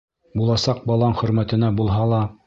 Буласаҡ балаң хөрмәтенә булһа ла.